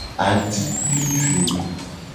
Atikplive.